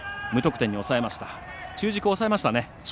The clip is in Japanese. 中軸を抑えましたね。